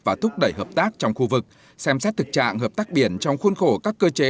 và thúc đẩy hợp tác trong khu vực xem xét thực trạng hợp tác biển trong khuôn khổ các cơ chế